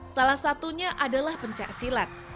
salah satunya adalah pencak silat